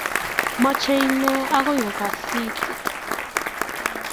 Mwachin inye akoi kokasin it.